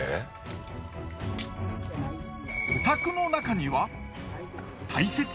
お宅の中には。